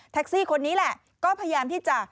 ซี่คนนี้แหละก็พยายามที่จะ